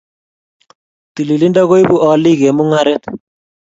Tililindo koibu olik eng mung'aret